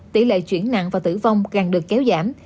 tỷ lệ chuyển nặng và tử vong càng được kéo giảm